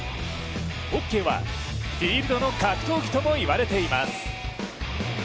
ホッケーはフィールドの格闘技とも言われています。